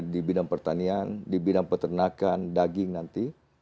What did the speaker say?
di bidang pertanian di bidang peternakan daging nanti